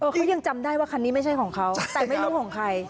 เขายังจำได้ว่าคันนี้ไม่ใช่ของเขาแต่ไม่รู้ของใคร